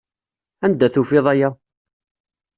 Anda tufiḍ aya?